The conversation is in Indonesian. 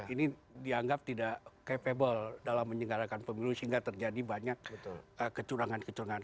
ini dianggap tidak capable dalam menyenggarakan pemilu sehingga terjadi banyak kecurangan kecurangan